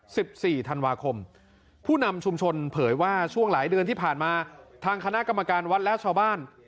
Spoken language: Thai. สิบสี่ธันวาคมผู้นำชุมชนเผยว่าช่วงหลายเดือนที่ผ่านมาทางคณะกรรมการวัดและชาวบ้าน